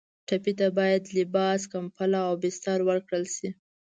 ټپي ته باید لباس، کمپله او بستر ورکړل شي.